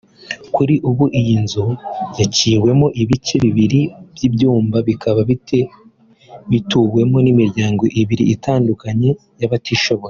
Kuri ubu iyi nzu yaciwemo ibice bibiri by’ibyumba bikaba bituwemo n’imiryango ibiri itandukanye y’abatishoboye